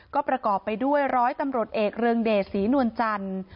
ก็ประกอบไปด้วยร้อยตำรวจเอกเรืองเดชศรีนวลจันทร์